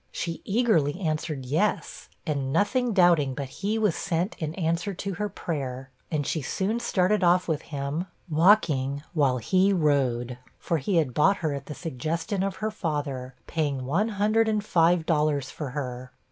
She eagerly answered 'Yes,' and nothing doubting but he was sent in answer to her prayer; and she soon started off with him, walking while he rode; for he had bought her at the suggestion of her father, paying one hundred and five dollars for her.